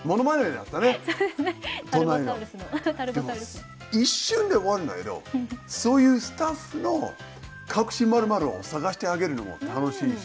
でも一瞬で終わるんだけどそういうスタッフの隠し○○を探してあげるのも楽しいし。